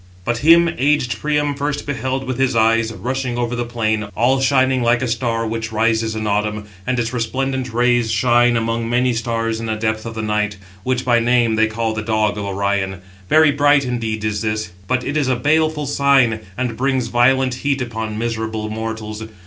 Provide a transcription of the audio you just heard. But him aged Priam first beheld with his eyes, rushing over the plain, all shining like a star which rises in autumn; and its resplendent rays shine among many stars in the depth of the night, which by name they call the dog of Orion. Very bright indeed is this, but it is a baleful sign, and brings violent heat upon miserable mortals.